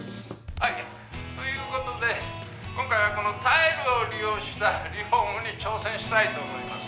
「はいという事で今回はこのタイルを利用したリフォームに挑戦したいと思います。